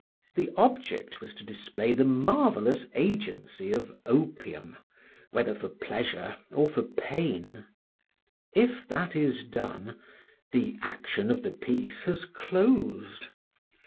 The object was to display the marvellous agency of opium, whether for pleasure or for pain: if that is done, the action of the piece has closed.